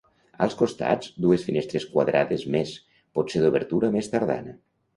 Als costats, dues finestres quadrades més, potser d'obertura més tardana.